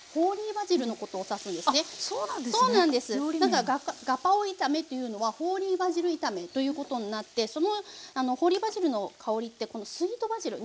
だから「ガパオ炒め」というのは「ホーリーバジル炒め」ということになってそのホーリーバジルの香りってこのスイートバジル